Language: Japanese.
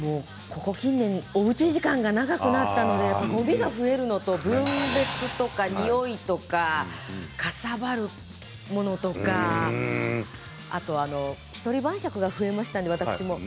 近年おうち時間が増えるのでごみが増えるのと分別とかにおいとかかさばるものとかあと１人晩酌が増えました私も。